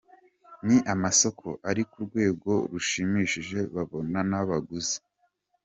Ni amasoko ari ku rwego rushimishije babona n’abaguzi.